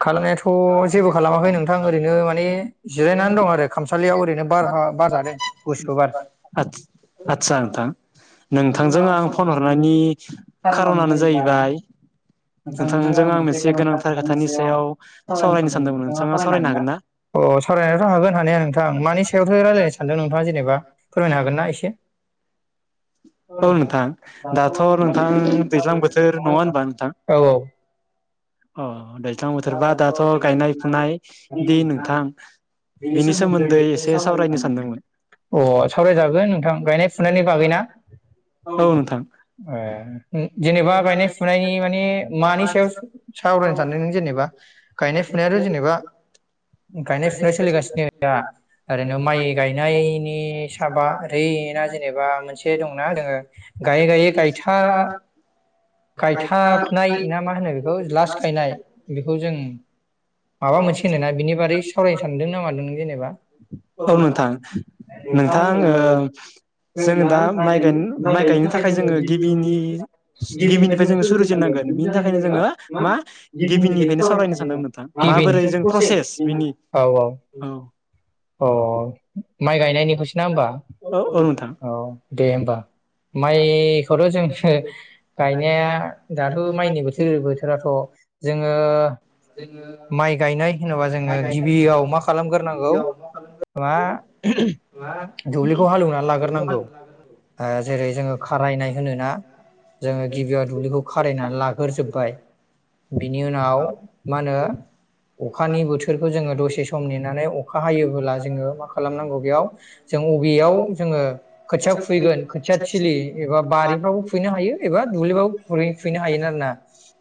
खालामनायाथ जेबो खालामाखै नोंथां ओरैनो माने जिरायनानै दं आरो खामसालियाव ओरैनो बार हावा जादों गुसु बार। नोंथांजों आं मोनसे गोनांथार नोंथांनि सायाव सावरायनो सानदोंमोन नोंथाङा सावरायनो हागोन ना? अ सावरायनोथ' हागोन हानाया नोंथां मानि सायावथो रायज्लायनो सानदों नोंथाङा जेनेबा फोरमायनो हागोन ना एसे? औ नोंथां दाथ नोंथां दैज्लां बोथोर नङा होनबा नोंथां? औ औ अ सावरायजागोन नोंथां गायनाय फुनायनि बागैना औ ए जेनेबा गायनाय फुनायनि माने मानि सायाव सावरायनो सानदों नों जेनेबा गायनाय फुनायाथ जेनेबा गायनाय फुनाय सोलिगासिनो दा ओरैनो माइ गायनायनि साबा ओरैनो जेनेबा मोनसे दंना जोङो गायै गायै गायथा गायथा [unintelligible] ना मा होनो बेखौ लास गायनाय बेखौ जों औ नोंथां नोंथां आङो जोङो दा माइ गायन माइ गायनो थाखाय जोङो गिबिनि गिबिनिफ्राय जोङो सुरुजेननांगोन बिनि थाखायनो जोङो मा गिबिनिफ्रायनो सावरायनो सानदोंमोन नोंथां [unintelligible] औ औ अ माइ गायनायनिखौसो ना होमबा औ दे हबा माइखौथ' जोङो गायनाया दाथ माइनि बोथोर बोथोराथ जोङो ओ। माइ गायनाय होनोबा जोङो गिबियाव मा खालामग्रोनांगौ मा दुब्लिखौ हालेवनानै लाग्रोनांगौ जेरै जोङो खारायनाय होनोना जोङो गिबियाव दुब्लिखौ खारायनानै लाग्रोजोब्बाय बिनि उनाव मा होनो अखानि बोथोरखौ जोङो दसे सम नेनानै अखा हायो अब्ला जोडों मा खालाम नांगौ बेयाव जों बबेयाव जोडों खोथिया फुहौगोन खोथिया थिलि एबा बारिफोराव फुहोयैनो हायो एबा दुब्लियाव बो बफुनो हायोना ना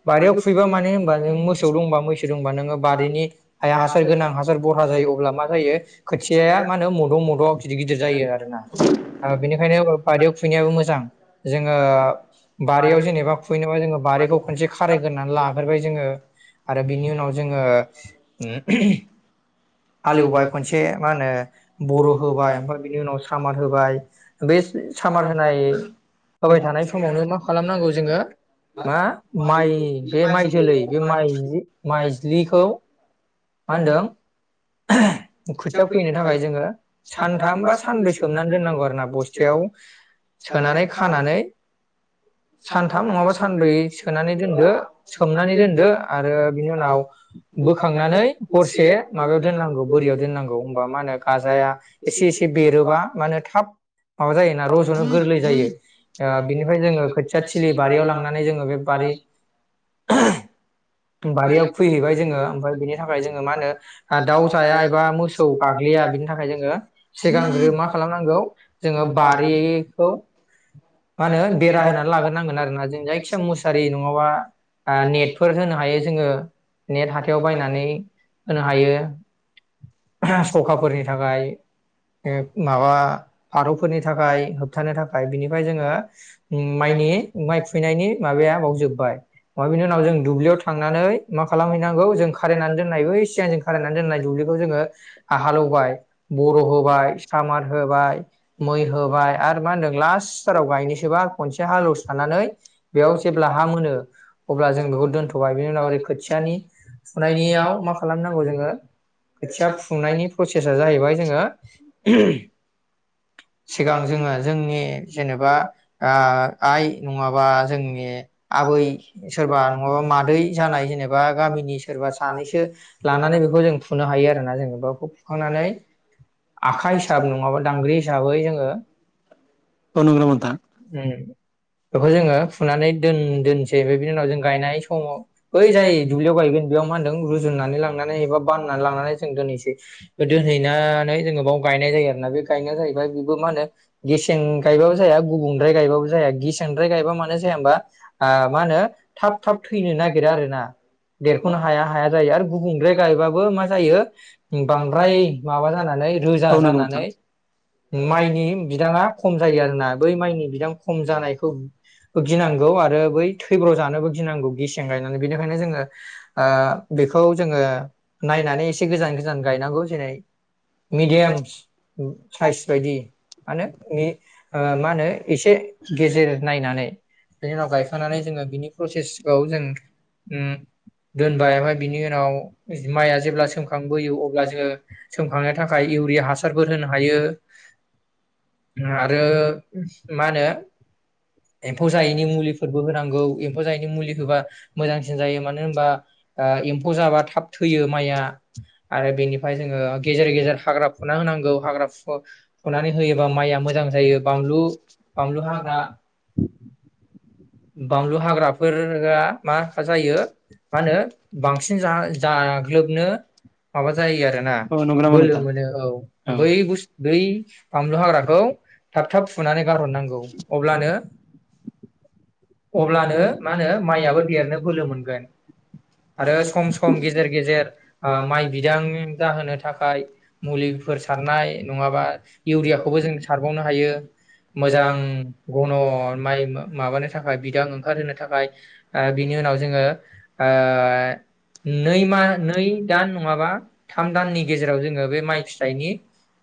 बारियाव फुहोयैबा माने उमबा नों मोसौ दं मैसो दंबा नोङो बारिनि ह हासार गोनां हासार बरहा जायो अब्ला मा जायो खोथियााया मा होनो मोद' मोद'आव गिदिर गिदिर जायो आरोना बेनिखायनो बारियाव खुबैनायाबो मोजां जोङो बारियाव जेनेबा खुबैनोबा जोङो बारिखौ खनसे खारायग्रोननानै लाग्राय जोङो आरो बिनि उनाव जोङो ओ हो हालेवबाय मोनसे मा होनो बर होबाय ओमफ्राय बिनि उनाव सामार होबाय बे सामार होनाय होबाय थानाय समावनो मा खालामनांगौ जोङो मा माइ बे माइ जोलै बे म माइजिलिखौ मा होनदों खोथिया फैनो थाखाय जोङो सानथाम बा सानब्रै सोमनानै दोननांगौ आरोोना बस्थायाव सोनानै खानानै सानथाम नङाबा सानब्रै सोनानै दोनदो सोमनानै दोनदो आरो बिनि उनाव बोखांनानै हरसे माबायाव दोननांगौ बोरियाव दोननांगौ ह होनबा मा होनो गाजाया एसे एसे बेरोबा मा होनो थाब माबा जायोना रजनो गोरलै जायो, बिनिफ्राय जोङो खोथिया थिलि बारियाव लांनानै जोङो बे बारि बारियाव फैहैबाय जोङो ओमफ्राय बिनि थाखाय जोङो मा होनो दाउ जाया मोसौ गाग्लिया बिनि थाखाय जोङो सिगांग्रो मा खालामनांगौ जोङो बारिखौ मा होनो बेरा होनानै लाग्रोनांगोन आरोना जों जायखिजाया मुसारि नङाबा नेटफोर होनो हायो जोङो नेट हाथायाव बायनानै होनो हायो ओ हो सखाफोरनि थाखाय माबा फारौफोरनि थाखाय होबथानो थाखाय बिनिफ्राय जोङो उ माइनि माइ खुबनायनि माबाया बाव जोबबाय माबा बिनि उनाव जों दुब्लियाव थांनानै मा खालामहैनांगौ जों खारायनानै दोननाय बै सिगां जों खारायनानै दोननाय दुब्लि जोङो हालेवबाय बर' होबाय सामार होबाय मै होबाय आरो मा होनदों लास्ट साराव गायनोसोबा खनसे हालेवसानानै बेयाव जेब्ला हा मोनो अब्ला जों बेखौ दोनथबाय बिनि उनाव ओरै खोथियानि फुनायनियाव मा खालामनांगौ जोङो खोथिया फुनायनि प्रसेसा जाहैबाय जोङो ओ‌ हो सिगां जोङो जोंनि जेनेबा ओ आइ नङाबा जोंनि आबै सोरबा नङाबा मादै जानाय जेनेबा गामिनि सोरबा सानैसो लानानै बेखौ जों फुनो हायो आरोना जोङो बेखौ फुखांनानै आखााइ हिसाब नङाबा दांग्रि हिसाब साबै जोङो उम बेखौ जोङो फुनानै दोनदोनसै बिनि उनाव जों गायनाय समाव बै जाय दुब्लियाव गायगोन बेयाव मा होनदों रुजुननानै लांनानै एबा बाननानै लांनानै जों दोनहैसै दोनहैनानै जोङो बाव गायनाय जायो आरोना। बे गायनाया जाहैबाय बेबो मा होनो गेसें गायबाबो जाया गुबुंद्राय गायबाबो जाया। -सेंद्राय गायबा मानो जाया होनबा आ मा होनो थाब थाब थैनो नागिरो आरो ना देरखनो हाया हाया जायो आरो गुबुंद्राय गायबा -बो मा जायो बांद्राय माबा जानानै रोजा जानानै माइनि बिदाङा खम जायो आरोना। बै माइनि बिदां खम जानाय गिनांगौ आरो बै थैब्र जानोबो गिनांगौ गेसें गायनानै बेनिखायनो जोङो आ बेखौ जोङो नायनानै एसे गोजान गोजान गायनांगौ जेरै मेडियाम साइस बायदि मा होनो मि आ मा होनो एसे गेजेर बेनि उनाव गायखांनानै जोङो बिनि प्रसेसखौ जों उम दोनबाय ओमफ्राय बिनि उनाव माइआ जेब्ला सोमखांबोयो अब्लासो सोमखांनो थाखाय इउरिया हासारफोर होनो हायो। आरो मा होनो एम्फौ जायैनि मुलिफोरबो होनांगौ एम्फौ जायैनि मुलि होबा मोजांसिन जायो मानो होनबा ओ एम्फौ जाबा थाब होयो माइआ आरो बेनिफ्राय जोङो गेजेर गेजेर हाग्रा फुना होनांगौ हाग्रा फु-फुनानै होयोबा माइया मोजां जायो बानलु बानलु हाग्रा बानलु हाग्राफोरा मा जायो मा होनो बांसिन जा जाग्लोबनो माबा जायो आरोना बोलो मोनो औ बै बुस बै बानलु हाग्राखौ थाब थाब फुनानै गारहरनांगौ अब्लानो अब्लानो मा होनो माइयाबो देरनो बोलो मोनगोन। आरो सम सम गेजेर गेजेर ओ माइ बिदां जाहोनो थाखाय मुलिफोर सारनाय नङाबा इउरियाखौबो जों सारबावनो हायो मोजां घन' माइ माबानो थाखाय बिदां ओंखारहोनो थाखाय ओ बिनि उनाव जोङो ओ नै मा नै दान नङाबा थाम दाननि गेजेराव जोङो बे माइ फिथाइनि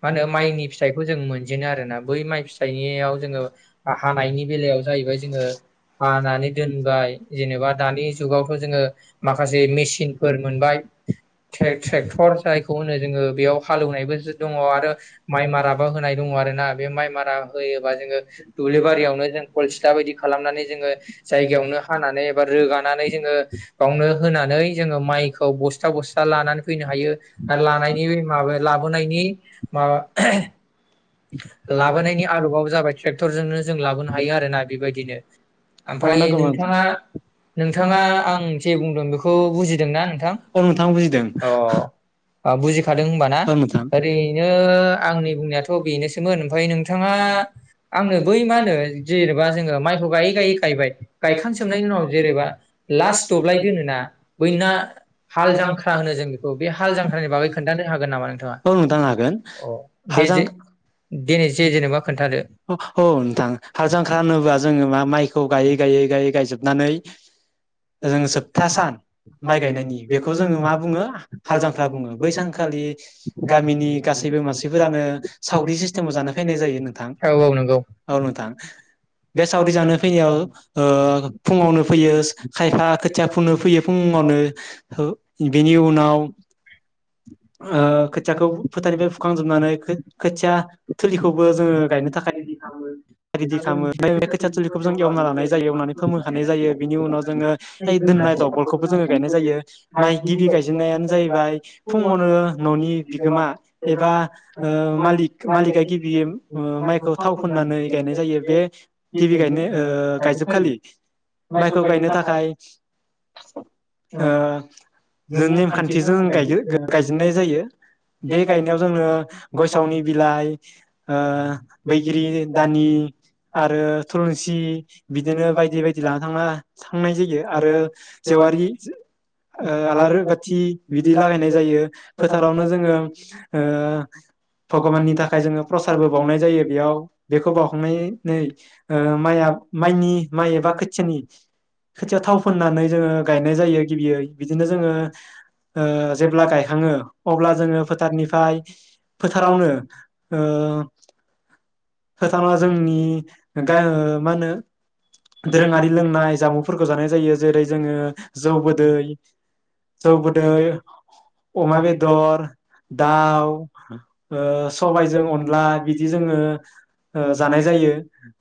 मा होनो माइनि फिथाइखौ जों मोनजेनो आरोना बै माइ फिथाइनियाव जोङो आ हानायनि बेलायाव जाहैबाय जोङो हानानै दोनबाय जेनेबा दानि जुगावथ जोङो माखासे मेसिनफोर मोनबाय ट्रे-ट्रेक्टर जायखौ होनो जोङो बेयाव हालौवनायबो दङ आरो माइ माराबो होनाय दङ आरो ना बे माइ मारा होयोबा जोङो दुब्लि बारियावनो जों खलसिला बायदि खालामनानै जोङो जायगायावनो हानानै एबा रोगानानै जोङो बेयावनो होनानै जोङो माइखौ बस्था बस्था लानानै फैनो हायो। आरो लानायनि माबा लाबोनायनि माबा लाबोनायनि आदबाव जाबाय ट्रेक्टरजोंनो जों लाबोनो हायो आरोना बेबायदिनो। ओमफ्राय नोंथाङा नोंथाङा आं जे बुंदों बेखौ बुजिदोंना नोंथां? अ' बुजिखादों होनबाना ओरैनो आंनि बुंनायाथ बेनोसैमोन ओमफ्राय नोंथाङा आंनो बै मा होनो जेनेबा जोङो माइखौ गायै गायै गायबाय गायखांजोबनायनि उनाव जेनेबा लास्ट दब्लाय दोनोना बै ना हाल जांख्रा होनो जों बेखौ बे हाल जांख्रानि बागै खोन्थानो हागोन नामा नोंथाङा? दे जे जेनेबा खोन्थादो। माइक खौ गायै गायै गायै गायजोबनानै जोङो जोब्था सान माइ गायनायनि बेखौ जोङो मा बुङो हाल जांख्रा बुङो। बै सानखालि गामिनि गासैबो मानसिफोरानो सावरि सिस्टेमाव जानो फैनाय जायो नोंथां। औ नोंथां बे सावरि जानो फैनायाव ओ फुङावनो फैयो। खायफा खोथिया फुनो फैयो फुङावनो हो बेनि उनाव ओ खोथियाखौ फोथारनिफ्राय फुखांजोबनानै खो-खोथिया थिलिखौबो जोङो गायनो थाखाय रेदि खालामो। [unintelligible] बे खोथिया थिलि मोजां एवना लानाय जायो। एवनानै फोमोनखानाय जायो बिनि उनाव जोङो दोननाय दबलखौबो जोङो गायनाय जायो माइ गिबि गायजेननायानो जाहैबाय फुङावनो ननि बिगोमा एबा ओ मालिक मालिका गिबि माइखौ थाव फुननानै गायनाय जायो बे गिबि गायनो ओ गायजोबखालि माइखौ गायनो थाखाय ओ जों नेमखान्थिजों गायो गायजेनाय जायो बे गायनायाव जोङो गसावनि बिलाइ ओ बैग्रि दानि आरो [unintelligible] [unintelligible] बिदिनो बायदि बायदि लाना थांना थांनाय जायो। जेवारि ओ आलारि बाथि बिदि लागायनाय जायो फोथारावनो जोङो ओ भगबाननि थाखाय जोङो प्रसादबो बावउनाय जायो बेयाव बेखौ बावखांनानै ओ। माइआ माइनि माइ एबा खोथियानि खोथिया थाव फुननानै जोङो गायनाय जायो गिबियै बिदिनो जोङो ओ जेब्ला गायखाङो अब्ला जोङो फोथारनिफ्राय फोथारावनो ओ [unintelligible] जोंनि [unintelligible] मा होनो दोरोङारि लोंनाय जामुफोरखौ जानाय जायो जेरै जोङो जौ बोदै जौ बोदै अमा बेदर दाउ ओ सबायजों अनला बिदि जोङो ओ जानाय जायो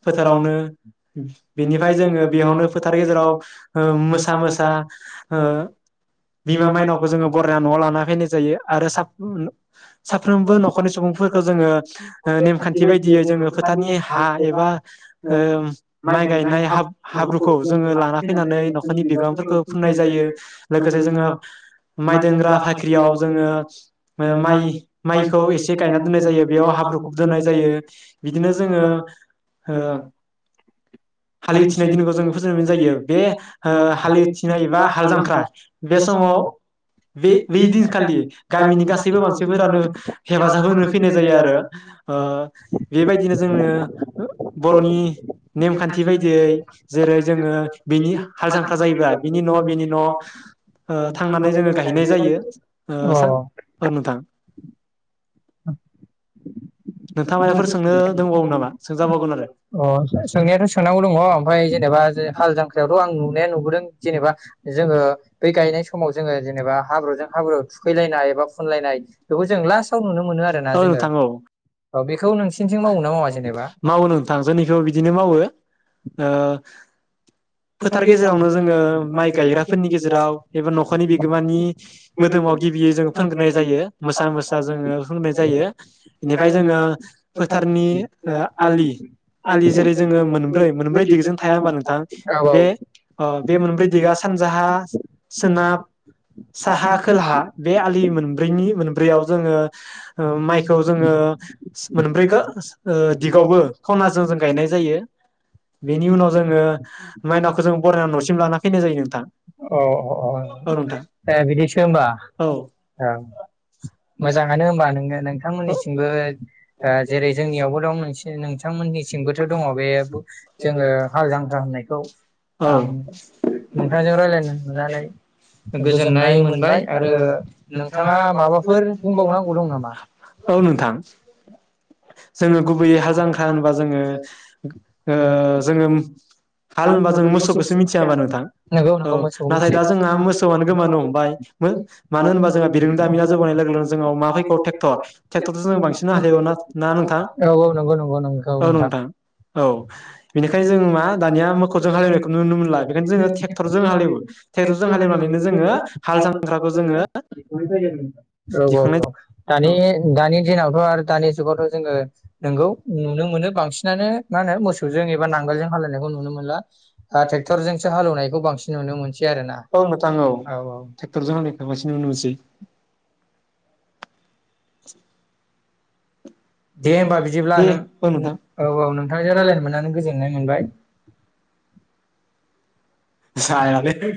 फोथारावनो बिनिफ्राय जोङो बेयावनो फोथार गेजेराव मोसा मोसा ओ बिमा मायनावखौ जोङो बरायना न'आव लाना फैनाय जायो आरो [unintelligible] साफ्रोमबो न'खरनि सुबुंफोरखौ जोङो नेमखान्थि बायदियै फोथारनि हा एबा ओ माइ गायनाय हा हाब्रुखौ जों [unintelligible] फैनानै न'खरनि बिगांफोरखौ फुननाय जायो लोगोसे जोङो माइ दोंग्रा भाख्रियाव जोङो माइ माइखौ एसे गायनानै दोननाय जायो बेयाव हाब्रुखौबो दोननाय जायो बिदिनो जोङो ओ हालऐवथिनाय दिनखौ जो फोजोबनाय जायो। ओ हालऐथिनाय बा हाल जांख्रा बे समाव बे बे दिनखालि गामिनि गासैबो मानसिफोरानो हेफाजाब होनो फैनाय जायो आरो ओ बेबायदिनो जोङो बर'नि नेमखान्थि बायदियै जेरै जोङो हाल जांख्रा जायोब्ला बिनि न' बिनि न' थांनानै जोङो गहैनाय जायो ओ [unintelligible] नोंथां। [unintelligible] [unintelligible] [unintelligible] नुनो मोनो आरोना जोङो। बेखौ नों [unintelligible] मावो नोंथां जोंनिखौ बिदिनो मावो ओ फोथार गेजेरावनो जोङो माइ गायग्राफोरनि गेजेराव एबा न'खरनि बिगोमानि मोदोमाव गिबियै जोङो फोरोंग्रोनाय जायो मोसा मोसा जोङो फोन्नाय जायो बेनिफ्राय जोङो फोथारनि आलि आलि जेरै जोङो मोनब्रै मोनब्रै दिगजों थाया होमबा नोंथां बे ओ बे मोनब्रै दिगा सानजाहा सोनाब साहा खोलाहा बे आलि मोनब्रैनि मोनब्रैयाव जोङो ओ माइखौ जोङो [unintelligible] दिगावबो खनाजों जों गायनाय जायो बेनि उनाव जोङो औ अ अ एह बिदिसो होमबा एह मोजांङानो होमबा नोंङो नोंथांमोनिथिंबो ओ जेरै जोंनियावबो दं नोंथांमोननिसिमबोथ' दङ बे जोङो हाल जांख्रा होननाय औ आं नोंथांजों राय्लायनो मोननानै गोजोननाय मोनबाय आरो नोंथाङा माबाफोर बुंबावनांगौ दं नामा जोङो गुबैयै हाल जांख्रा होनबा जोङो ओ जोङो हाल होनबा जोङो मोसौखौसो मिथिया होनबा नोंथां औ नाथाय दा जोंहा मोसौआनो गोमानो ओमाय मानो होनबा जोंहा बिरोंदामिना जौगानाय लोगो लोगोनो जोंनाव मा फैखौ ट्रेक्टर ट्रेक्टर' जोंसो बांसिन हालेयोना औ औ नंगौ नंगौ नंगौ नोंथां औ औ औ औ दानि-दानिदिनावथ आरो दा दानि जुगावथ' जोङो नोंगौ नुनो मोनो बांसिनानो मा होनो मोसौजों एबा नांगोलजों हालेवनायखौ नुनो मोनला ओ ट्रेक्टरजोंसो हालेवनायखौ बांसिन नुनो मोनसै आरो ना औ औ [inaudible] दे होमबा बिदिब्ला नों औ औ नोंथांजों रायज्लायनो मोननानै गोजोननाय मोनबाय [inaudible]